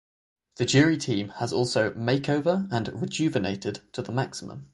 The jury team has also "makeover" and "rejuvenated" to the maximum.